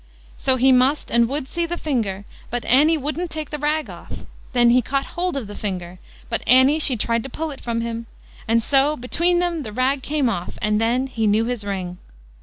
So he must and would see the finger, but Annie wouldn't take the rag off. Then he caught hold of the finger; but Annie, she tried to pull it from him, and so between them the rag came off, and then he knew his ring.